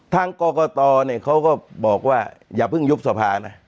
ทางกตเนี่ยเขาก็บอกว่าอย่าพึ่งยุบสภานะ